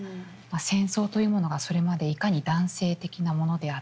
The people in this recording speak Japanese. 戦争というものがそれまでいかに男性的なものであったか